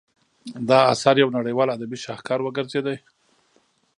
دا اثر یو نړیوال ادبي شاهکار وګرځید.